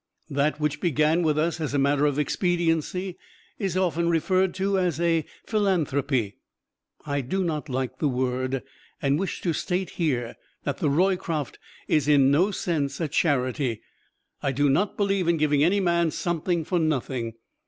That which began with us as a matter of expediency is often referred to as a "philanthropy." I do not like the word, and wish to state here that the Roycroft is in no sense a charity I do not believe in giving any man something for nothing.